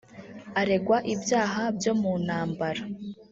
aregwa ibyaha byo mu ntambara